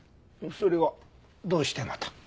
それはどうしてまた？